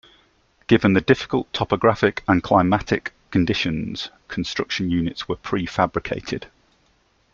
Given the difficult topographic and climatic conditions, construction units were prefabricated.